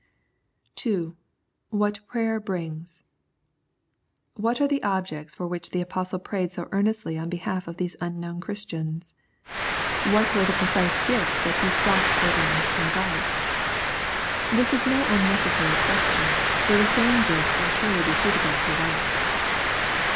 2. What Prayer Brings. What were the objects for which the Apostle prayed so earnestly on behalf of these unknown Christians ? What were the pre cise gifts that he sought for them from God ? This is no unnecessary question, for the same gifts will surely be suitable to us.